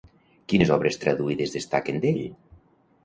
Quines obres traduïdes destaquen d'ell?